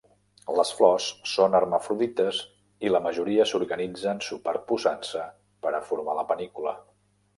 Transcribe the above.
Les flors són hermafrodites i la majoria s'organitzen superposant-se per a formar la panícula.